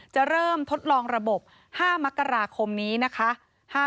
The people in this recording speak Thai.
จะเริ่มทดลองระบบ๕มกราคมนี้นะคะ